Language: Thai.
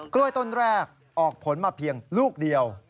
กล้วยต้นแรกออกผลมาเพียงลูกเดียว